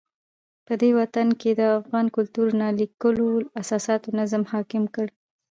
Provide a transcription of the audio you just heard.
پدغه وطن کې د افغان کلتور نا لیکلو اساساتو نظم حاکم کړی.